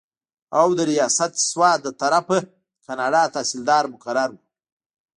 او د رياست سوات دطرف نه د کاڼا تحصيلدار مقرر وو